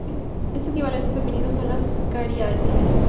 El equivalente femenino son las cariátides.